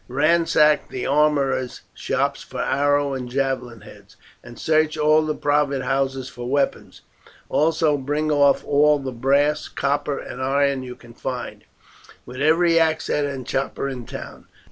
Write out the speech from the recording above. Ransack the armourers' shops for arrow and javelin heads, and search all the private houses for weapons; also bring off all the brass, copper, and iron you can find, with every axe head and chopper in the town.